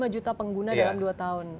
lima juta pengguna dalam dua tahun